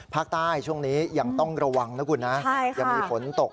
ภาคใต้ช่วงนี้ยังต้องระวังนะคุณนะยังมีฝนตก